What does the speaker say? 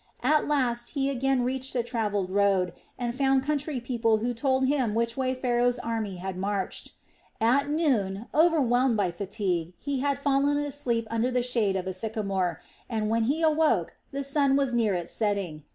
At last he again reached a travelled road and found country people who told him which way Pharaoh's army had marched. At noon, overwhelmed by fatigue, he had fallen asleep under the shade of a sycamore, and when he awoke the sun was near its setting.